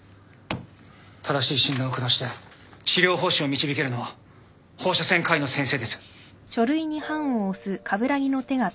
正しい診断を下して治療方針を導けるのは放射線科医の先生です。